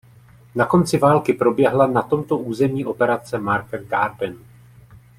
Na konci války proběhla na tomto území operace Market Garden.